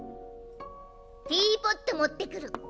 ティーポット持ってくる。